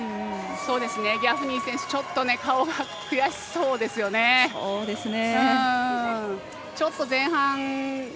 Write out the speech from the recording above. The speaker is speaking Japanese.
ギャフニー選手顔が悔しそうですよね。